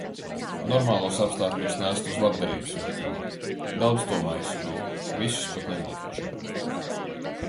Normālos apstākļos nestu uz labdarības veikaliņu. Daudz to maisu bija, visus pat nenofočēju.